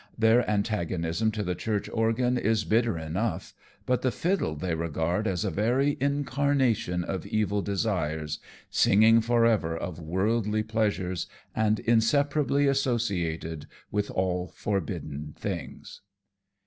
Their antagonism to the church organ is bitter enough, but the fiddle they regard as a very incarnation of evil desires, singing forever of worldly pleasures and inseparably associated with all forbidden things.